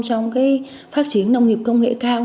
trong phát triển nông nghiệp công nghệ cao